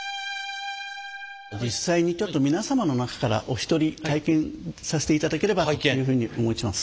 実際にちょっと皆様の中からお一人体験させていただければというふうに思います。